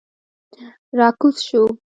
را کوز شوو.